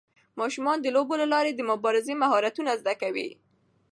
ماشومان د لوبو له لارې د مبارزې مهارتونه زده کوي.